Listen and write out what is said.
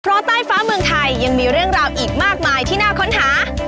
เพราะใต้ฟ้าเมืองไทยยังมีเรื่องราวอีกมากมายที่น่าค้นหา